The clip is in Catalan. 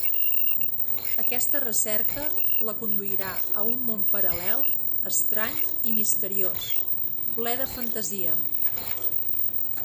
Aquesta recerca la conduirà a un món paral·lel estrany i misteriós, ple de fantasia.